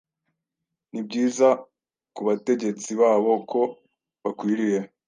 Nibyiza kubategetsi babo ko bakwiriye